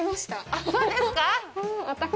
あっ、そうですか。